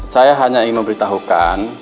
saya hanya ingin memberitahu kak